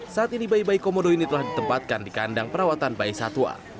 saat ini bayi bayi komodo ini telah ditempatkan di kandang perawatan bayi satwa